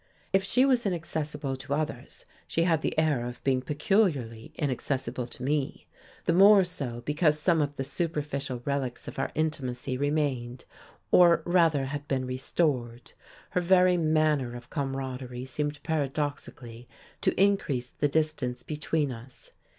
If she was inaccessible to others, she had the air of being peculiarly inaccessible to me the more so because some of the superficial relics of our intimacy remained, or rather had been restored. Her very manner of camaraderie seemed paradoxically to increase the distance between us.